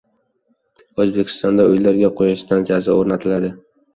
O‘zbekistonda uylarga quyosh stantsiyasi o‘rnatiladi